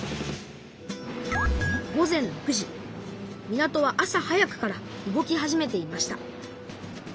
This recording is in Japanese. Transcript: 港は朝早くから動き始めていました。